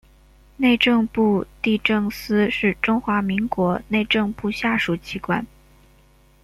内政部地政司是中华民国内政部下属机关。